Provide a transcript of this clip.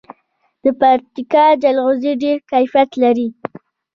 د پکتیکا جلغوزي ډیر کیفیت لري.